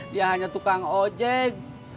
dia hanya tukang ojek